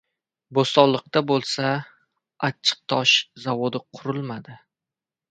Bo‘stonliqda bo‘lsa, achchiqtosh zavodi qurilmadi.